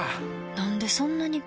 なんでそんなに